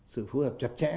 sự phù hợp chặt chẽ